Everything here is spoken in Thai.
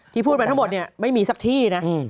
ที่พูดไปทั้งหมดนี่ไม่มีสักที่